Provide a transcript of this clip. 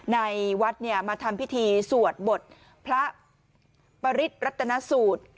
ในวัดเนี่ยมาทำพิธีสวดบทพระปฤษัทรัฐนาสูตร